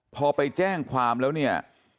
พอไปแจ้งความแล้วเนี่ย